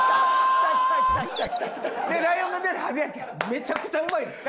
めちゃくちゃうまいです。